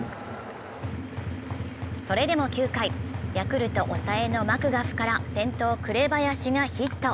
それでも９回、ヤクルト抑えのマクガフから先頭・紅林がヒット。